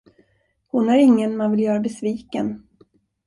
Hon är ingen man vill göra besviken.